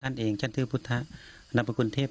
นี่ก็คนปกติของท่าน